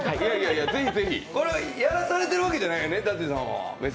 これはやらされているわけじゃないよね、舘様は。